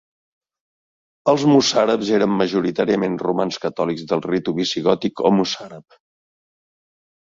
Els mossàrabs eren majoritàriament romans catòlics del ritu visigòtic o mossàrab.